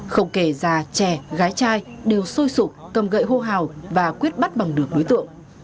không kể già trẻ gái trai đều xôi sụp cầm gậy hô hào và quyết bắt bằng được đối tượng